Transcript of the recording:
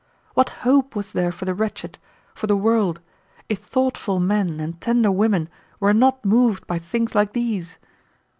What hope was there for the wretched, for the world, if thoughtful men and tender women were not moved by things like these!